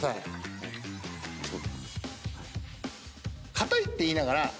固いって言いながら。